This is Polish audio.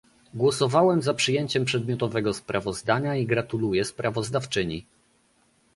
Głosowałam za przyjęciem przedmiotowego sprawozdania i gratuluję sprawozdawczyni